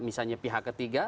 dan misalnya pihak ketiga